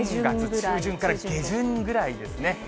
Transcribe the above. ３月中旬から下旬ぐらいですね。